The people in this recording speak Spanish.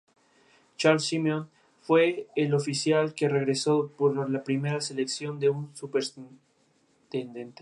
Estos fueron utilizados para ampliar exposiciones sobre geobotánica y paleobotánica.